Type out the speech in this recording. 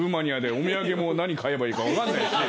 お土産も何を買えばいいか分からないし。